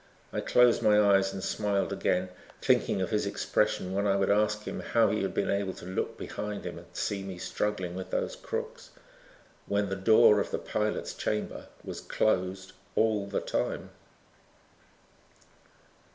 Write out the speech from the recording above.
I closed my eyes and smiled again, thinking of his expression when I would ask him how he had been able to look behind him and see me struggling with those crooks, when the door of the pilot's chamber was closed all the time....